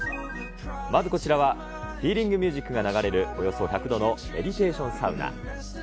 まずこちらは、ヒーリングミュージックが流れる、およそ１００度のメディテーションサウナ。